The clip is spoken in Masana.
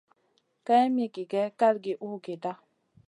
Kaïn mi gigè kalgi uhgida.